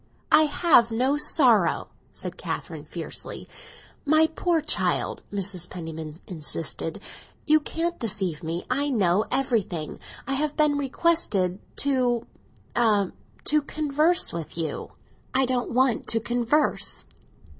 "I have no sorrow!" said Catherine fiercely. "My poor child," Mrs. Penniman insisted, "you can't deceive me. I know everything. I have been requested to—a—to converse with you." "I don't want to converse!"